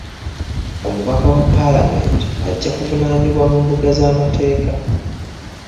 Omubaka wa paalamenti ajja kuvunaanibwa mu mbuga z'amateeka.